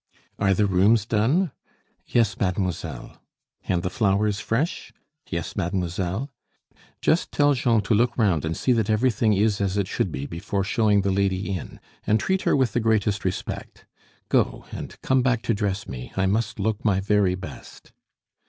"Are the rooms done?" "Yes, mademoiselle." "And the flowers fresh?" "Yes, mademoiselle." "Just tell Jean to look round and see that everything is as it should be before showing the lady in, and treat her with the greatest respect. Go, and come back to dress me I must look my very best."